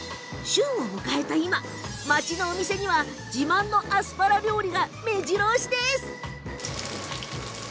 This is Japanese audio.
旬を迎えた今、町のお店には自慢のアスパラ料理がめじろ押しです。